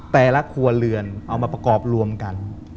แต่ละครัวเรือนเอามาประกอบรวมกัน